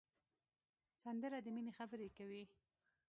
سندره د مینې خبرې کوي